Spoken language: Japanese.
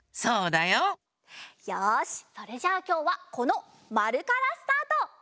よしそれじゃあきょうはこのまるからスタート！